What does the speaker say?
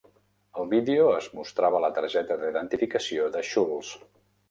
Al vídeo es mostrava la targeta d'identificació de Schulz.